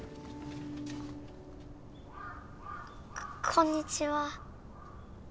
こんにちは。